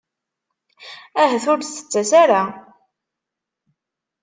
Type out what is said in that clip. Ahat ur d-tettas ara.